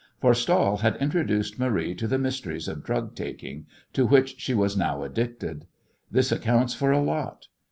For Stahl had introduced Marie to the mysteries of drug taking, to which she was now addicted. This accounts for a lot.